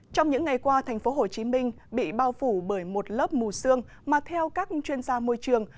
trong những ngày qua tp hcm bị bao phủ bởi một lớp mù sương mà theo các chuyên gia môi trường